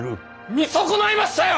見損ないましたよ！